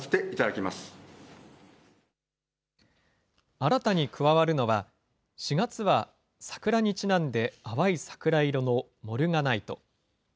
新たに加わるのは、４月は桜にちなんで淡い桜色のモルガナイト。